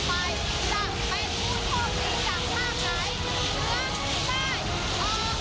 หรือเป็นผู้โชคดีจากทางไหน